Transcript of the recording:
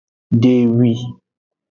Dehwi.